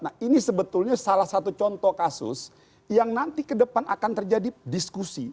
nah ini sebetulnya salah satu contoh kasus yang nanti ke depan akan terjadi diskusi